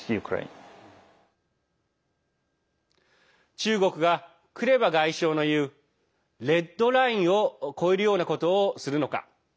中国がクレバ外相の言うレッドラインを越えるようなことをするのか。